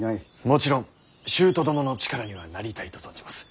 もちろん舅殿の力にはなりたいと存じます。